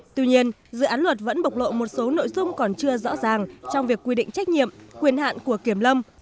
tuy nhiên dự án luật vẫn bộc lộ một số nội dung còn chưa rõ ràng trong việc quy định trách nhiệm quyền hạn của kiểm lâm